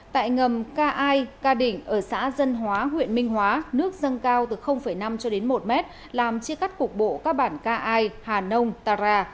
tại ngầm ca ai ca đỉnh ở xã dân hóa huyện minh hóa nước dâng cao từ năm cho đến một mét làm chia cắt cục bộ các bản ca ai hà nông ta ra